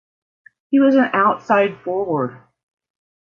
He was an outside forward.